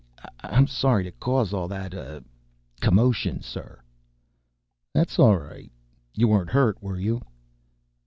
I'm sorry to cause all that, uh, commotion, sir." "That's all right. You weren't hurt, were you?"